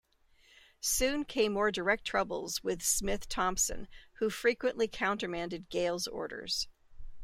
Soon came more direct troubles with Smith Thompson, who frequently countermanded Gale's orders.